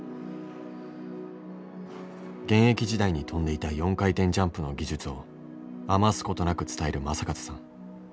現役時代に跳んでいた４回転ジャンプの技術を余すことなく伝える正和さん。